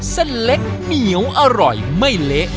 เส้นเล็กเหนียวอร่อยไม่เละ